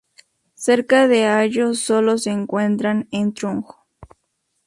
Cerca de allo solo se encuentran en Trung.